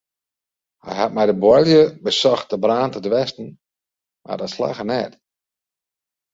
Hy hat mei de buorlju besocht de brân te dwêsten mar dat slagge net.